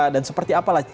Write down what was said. dan seperti apalah